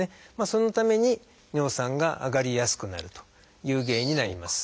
そのために尿酸が上がりやすくなるという原因になります。